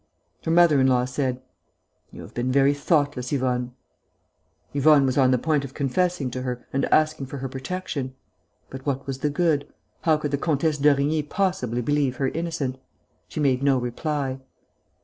Her mother in law said: "You have been very thoughtless, Yvonne." Yvonne was on the point of confessing to her and asking for her protection. But what was the good? How could the Comtesse d'Origny possibly believe her innocent? She made no reply.